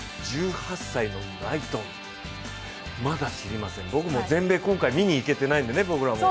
１８歳のナイトン、まだ知りません、僕らも全米、今回見に行けてないんでね。